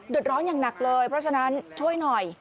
ร้อนอย่างหนักเลยเพราะฉะนั้นช่วยหน่อย